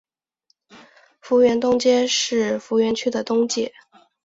逢源东街是逢源区的东界。